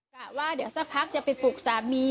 กะว่าเดี๋ยวสักพักจะไปปลุกสามี